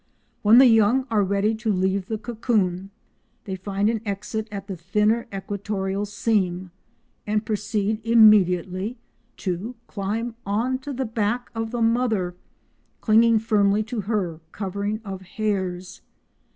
When the young are ready to leave the cocoon they find an exit at the thinner equatorial seam, and proceed immediately to climb on to the back of the mother, clinging firmly to her covering of hairs.